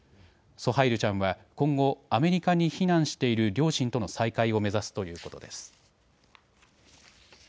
ソハイルちゃんは今後、アメリカに避難している両親との再会を目指すということです。